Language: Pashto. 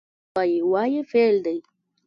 ښوونکی درس وايي – "وايي" فعل دی.